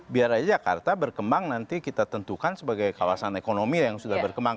biar aja jakarta berkembang nanti kita tentukan sebagai kawasan ekonomi yang sudah berkembang